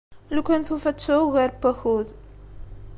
Lukan tufa ad tesɛu ugar n wakud.